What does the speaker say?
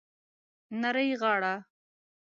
نرۍ غاړه